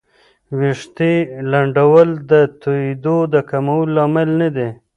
ویښتې لنډول د توېیدو د کمولو لامل نه دی.